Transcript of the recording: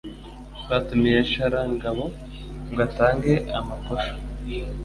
Batumiye Sharangabo ngo atange amaposho